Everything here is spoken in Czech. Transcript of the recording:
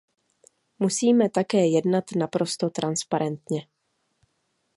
Musíme také jednat naprosto transparentně.